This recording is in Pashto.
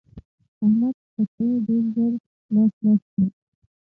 احمد قطعې ډېر ژر لاس لاس کړې.